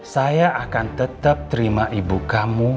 saya akan tetap terima ibu kamu